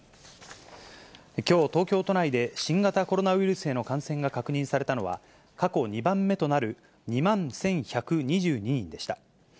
きょう、東京都内で新型コロナウイルスへの感染が確認されたのは、過去２番目となる２万１１２２人でした。